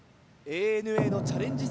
ＡＮＡのチャレンジ